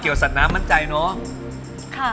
เกี่ยวสัตว์น้ำมั่นใจเนอะ